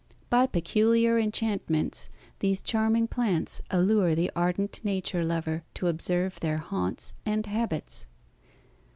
By peculiar enchantments these charming plants allure the ardent Nature lover to observe their haunts and habits.